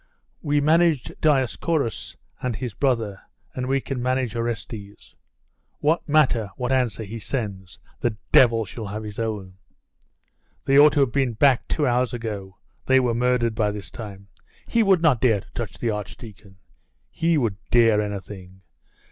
'We managed Dioscuros and his brother, and we can manage Orestes. What matter what answer he sends? The devil shall have his own!' 'They ought to have been back two hours ago: they are murdered by this time.' 'He would not dare to touch the archdeacon!' 'He will dare anything.